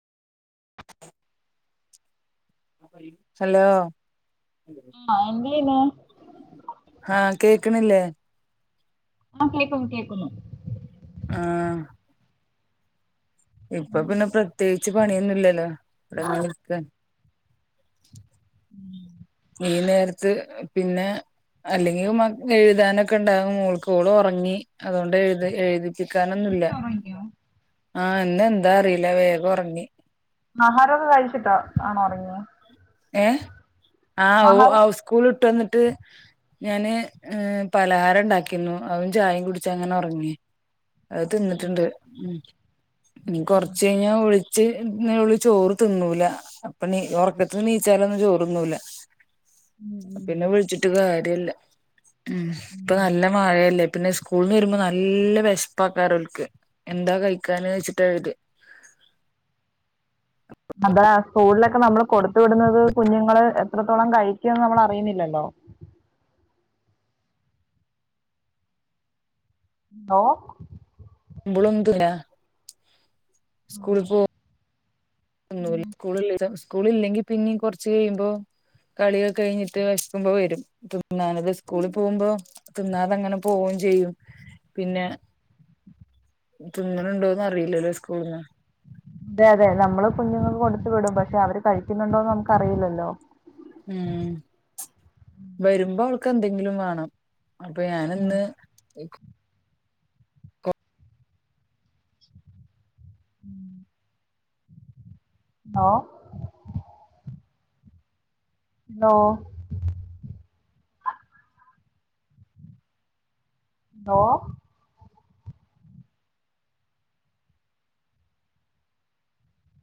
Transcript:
Hello ആന്റിയില്ലോ ആഹ് കേക്കണില്ലേ ആഹ് കേക്കുന്നു കേക്കുന്നു ആഹ് ഇപ്പൊ ഉം. പിന്നെ പ്രത്യേകിച്ച് പണിയൊന്നുമില്ലല്ലോ രാവിലത്തെ ഉം ഈ നേരത്ത് പിന്നെ അല്ലെങ്കിലും മക എഴുതാനൊക്കെ ഒണ്ടാവും മോൾക്ക് ഓള് ഒറങ്ങി അതുകൊണ്ട് എഴു എഴുതി നിക്കാനൊന്നുല്ല നേരത്തെ ഉറങ്ങിയോ ആ ഇന്ന് എന്താ അറിയില്ല വേഗം ഉറങ്ങി ആഹാരോക്കെ കഴിച്ചിട്ടാ ആണോ ഉറങ്ങിയെ ഏഹ് ആഹ് ആഹാരം ഓൻ സ്കൂൾ വിട്ട് വന്നിട്ട് ഞാന് പലഹാരം ഉണ്ടാക്കിരുന്നു അതും ചായയും കുടിച്ചാ അങ്ങനെ ഉറങ്ങി അത് ഉം, തിന്നിട്ടുണ്ട് ഉം ഇനി കൊറച്ച് കഴിഞ്ഞാ വിളിച്ച് ഇന്ന് ഇവള് ചോറ് തിന്നൂല അപ്പൊ നീ ഉറക്ക ഇപ്പം എണീച്ചാലൊന്നും ചോറ് തിന്നൂല്ല ഉം, പിന്നെ വിളിച്ചിട്ടും കാര്യല്ല ഉം ഇപ്പൊ നല്ല മഴയല്ലേ പിന്നെ സ്കൂള്ന്ന് വരുമ്പോ നല്ല വിശപ്പക്കാറ് ഓൾക്ക് എന്താ കഴിക്കാന് വെച്ചിട്ട വരിക അതാ സ്കൂളിലൊക്കെ നമ്മള് കൊടുത്തു വിടുന്നത് കുഞ്ഞുങ്ങള് എത്രത്തോളം കഴിക്കുമെന്ന് നമ്മള് അറിയുന്നില്ലല്ലോ എന്തോ [inaudible] സ്കൂൾ ഉം. പോ ഒന്ന് സ്കൂള് സ്കൂള് ഇല്ലെങ്കിൽ പിന്നീ കുറച്ച് കഴിയുമ്പോ കളിയൊക്കെ കഴിഞ്ഞിട്ട് വിശക്കുമ്പോ വരും തിന്നാന് ഇത് സ്കൂളിൽ പോകുമ്പോ തിന്നാതങ്ങനെ പോവും ചെയ്യും പിന്നെ തിന്നലുണ്ടോന്ന് അറിയില്ലല്ലോ സ്കൂളിൽന്ന് അതെ അതെ നമ്മള് കുഞ്ഞുങ്ങൾക്ക് കൊടുത്ത് വിടും പക്ഷെ അവര് കഴിക്കുന്നുണ്ടോന്ന് നമുക്ക് അറിയില്ലല്ലോ ഉം വരുമ്പോ അവൾക്ക് എന്തെങ്കിലും വേണം അപ്പ ഞാനിന്ന് ഹലോ ഉം ഓഹ് ഹലോ ഹലോ